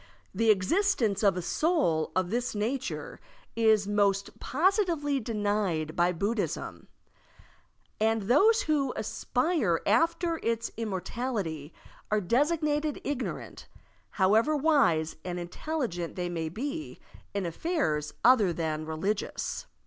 The existence of a soul of this nature is most positively denied by Buddhism. And those who aspire after its immortality are designated ignorant, however wise and intelligent they may be in affairs other than religious.